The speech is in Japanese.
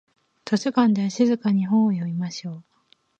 図書館では静かに本を読みましょう。